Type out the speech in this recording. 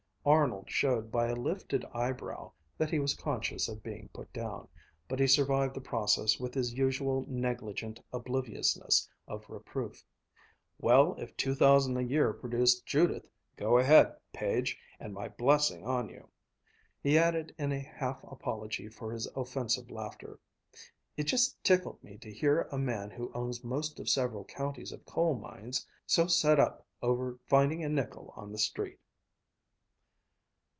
Arnold showed by a lifted eyebrow that he was conscious of being put down, but he survived the process with his usual negligent obliviousness of reproof. "Well, if two thousand a year produced Judith, go ahead, Page, and my blessing on you!" He added in a half apology for his offensive laughter, "It just tickled me to hear a man who owns most of several counties of coal mines so set up over finding a nickel on the street!"